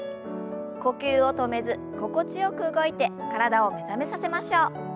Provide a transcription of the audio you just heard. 呼吸を止めず心地よく動いて体を目覚めさせましょう。